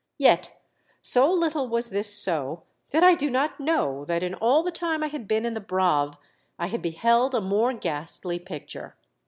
Yet so little was this so, that I do not know that in all the time I had been in the Braave I had beheld a more ghastly picture.